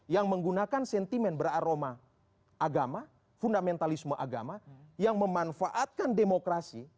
yang menggunakan sentimen beraroma agama fundamentalisme agama yang memanfaatkan demokrasi